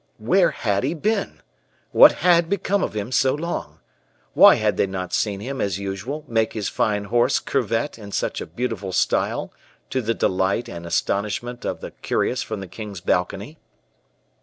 "Where had he been? What had become of him so long? Why had they not seen him as usual make his fine horse curvet in such beautiful style, to the delight and astonishment of the curious from the king's balcony?"